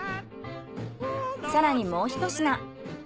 更にもうひと品。